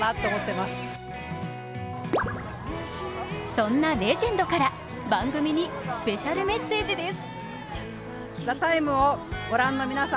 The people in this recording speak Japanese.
そんなレジェンドから番組にスペシャルメッセージです。